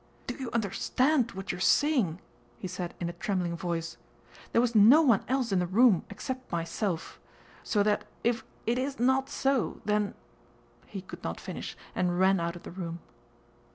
"Do you understand what you're saying?" he said in a trembling voice. "There was no one else in the room except myself. So that if it is not so, then..." He could not finish, and ran out of the room.